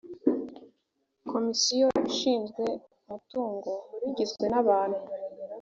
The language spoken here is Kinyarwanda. komisiyo ishinzwe umutungo igizwe n abantu